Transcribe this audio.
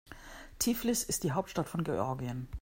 Tiflis ist die Hauptstadt von Georgien.